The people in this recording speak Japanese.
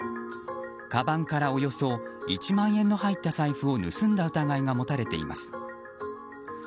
かばんからおよそ１万円の入った財布を盗んだ疑いが持たれています。